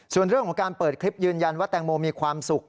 ส่วนเรื่องของการเปิดคลิปยืนยันว่าแตงโมมีความสุข